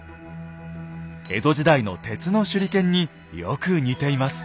江戸時代の鉄の手裏剣によく似ています。